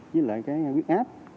với lại cái quyết áp